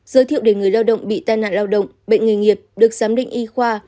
giới thiệu để người lao động bị tai nạn lao động bệnh nghề nghiệp được giám định y khoa